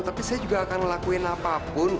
tapi saya juga akan ngelakuin apapun